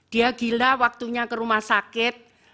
dia gila waktunya ke rumah sakit